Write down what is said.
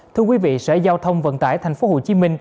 thưa quý vị sở giao thông vận tải tp hcm